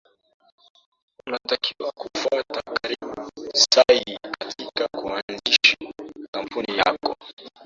unatakiwa kufuata taratibu sahihi katika kuanzisha kampuni yako